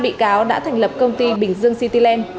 năm bị cáo đã thành lập công ty bình dương cityland